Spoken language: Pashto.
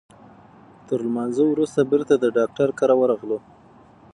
تر لمانځه وروسته بیرته د ډاکټر کره ورغلو.